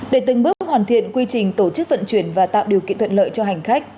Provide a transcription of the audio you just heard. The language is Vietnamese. để từng bước hoàn thiện quy trình tổ chức vận chuyển và tạo điều kiện thuận lợi cho hành khách